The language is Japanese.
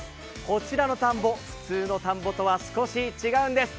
こちらの田んぼ、普通の田んぼとは少し違うんです。